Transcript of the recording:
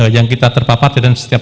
yang kita terpapar dan setiap